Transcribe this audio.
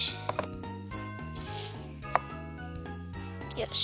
よし。